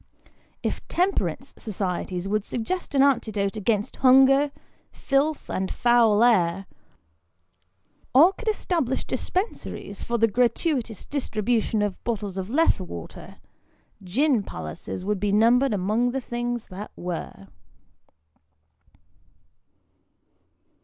If Temperance Societies would suggest an antidote against hunger, filth, and foul air, or could establish dispensaries for the gratuitous distribution of bottles of Lethe water, gin palaces would be numbered among the things that were.